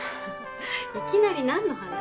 いきなりなんの話？